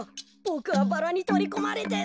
ボクはバラにとりこまれて。